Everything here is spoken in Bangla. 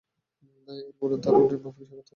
এরপরেও তাদের রুটিন মাফিক সাক্ষাৎ হতে থাকে।